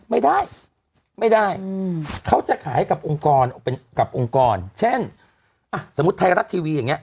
ไม่ได้ไม่ได้เขาจะขายกับองค์กรเช่นสมมุติไทยรัฐทีวีอย่างเนี่ย